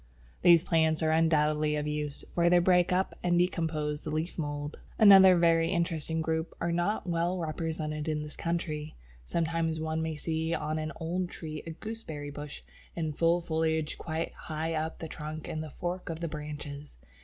These plants are undoubtedly of use, for they break up and decompose the leaf mould. Another very interesting group are not well represented in this country. Sometimes one may see on an old tree a Gooseberry bush in full foliage quite high up the trunk in the fork of the branches.